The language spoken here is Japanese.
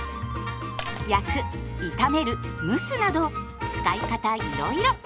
焼く炒める蒸すなど使い方いろいろ。